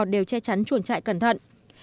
đều che chắn chuồng chạy cẩn thận